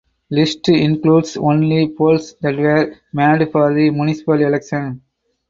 List includes only polls that were made for the municipal election.